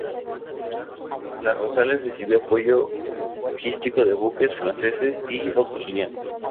La Rosales recibió apoyo logístico de buques franceses y australianos.